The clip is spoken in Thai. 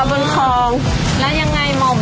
แล้วยังไงบ่อมว่านล้อมยังไงถึงยอม